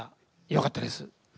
よかったです。